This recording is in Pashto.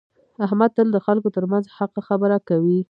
احمد تل د خلکو ترمنځ حقه خبره کوي.